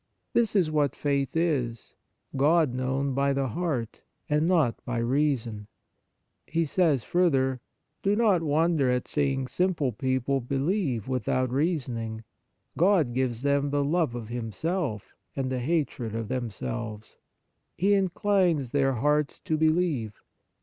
This is what faith is : God known by the heart, and not by reason."! He says further :" Do not wonder at seeing simple people be lieve without reasoning. God gives them the love of Himself and a hatred of themselves. He inclines their hearts to believe.